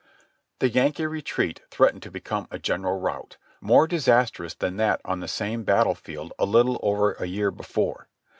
The Yankee retreat threatened to become a general rout, more disastrous than that on the same battle ground a little over a year before.